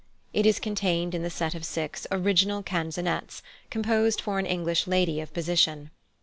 It is contained in the set of six "Original Canzonets, composed for an English Lady of Position."